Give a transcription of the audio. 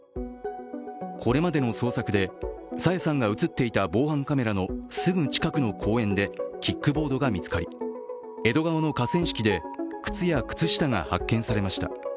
これまでの捜索で、朝芽さんが映っていた防犯カメラのすぐ近くの公園でキックボードが見つかり、江戸川の河川敷で靴や靴下が発見されました。